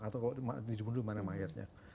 atau kalau mati dibunuh dimana mayatnya